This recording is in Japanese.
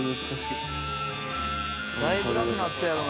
だいぶ楽なったやろな。